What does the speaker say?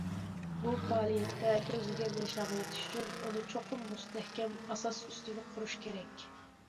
بۇ پائالىيەتتە كۆزلىگەن نىشانغا يېتىش ئۈچۈن، ئۇنى چوقۇم مۇستەھكەم ئاساس ئۈستىگە قۇرۇش كېرەك.